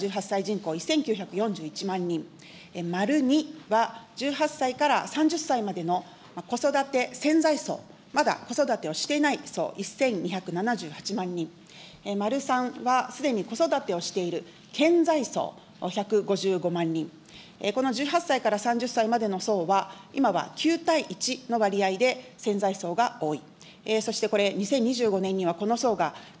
丸１は、０歳から１８歳人口１９４１万人、丸２は１８歳から３０歳までの子育て潜在層、まだ子育てをしていない層、１２７８万人、丸３はすでに子育てをしている顕在層１５５万人、この１８歳から３０歳までの層は、今は９対１の割合で潜在層が多い。